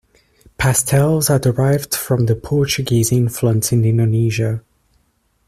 Pastels are derived from the Portuguese influence in Indonesia.